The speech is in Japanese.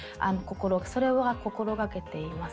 それは心がけています。